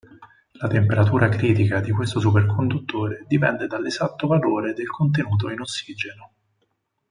La temperatura critica di questo superconduttore dipende dall'esatto valore del contenuto in ossigeno.